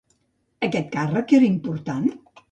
Aquest càrrec era important?